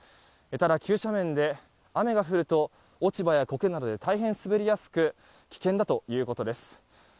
ただ、急斜面で雨が降ると落ち葉や苔などで大変滑りやすく危険だということです。